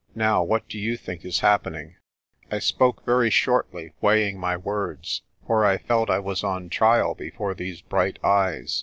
Now, what do you think is happening? 7 I spoke very shortly, weighing my words, for I felt I was on trial before these bright eyes.